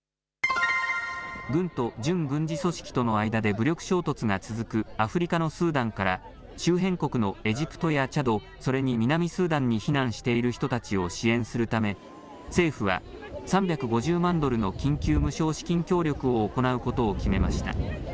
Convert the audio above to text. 軍と準軍事組織との間で武力衝突が続くアフリカのスーダンから、周辺国のエジプトやチャド、それに南スーダンに避難している人たちを支援するため、政府は３５０万ドルの緊急無償資金協力を行うことを決めました。